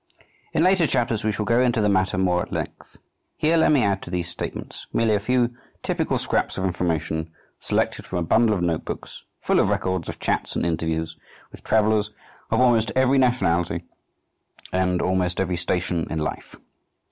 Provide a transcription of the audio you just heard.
In later chapters we shall go into the matter more at length. Here let me add to these statements merely a few typical scraps of information, selected from a bundle of note books full of records of chats and interviews with travellers of almost every nationality and of almost every station in life.